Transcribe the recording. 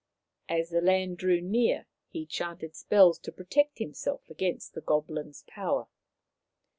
As the land drew near he chanted spells to protect himself against the goblin's power.